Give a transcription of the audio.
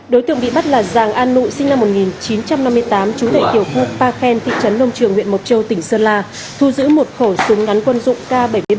đối tượng bị bắt là giàng an nụ sinh năm một nghìn chín trăm năm mươi tám trú tại tiểu khu pa khen thị trấn nông trường huyện mộc châu tỉnh sơn la thu giữ một khẩu súng ngắn quân dụng k bảy mươi bảy